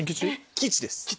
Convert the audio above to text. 吉です。